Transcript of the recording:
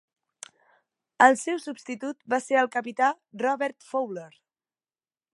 El seu substitut va ser el capità Robert Fowler.